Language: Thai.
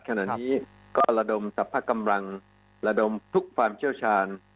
ขณะนี้ก็ระดมสรรพกำลังระดมทุกความเชี่ยวชาญ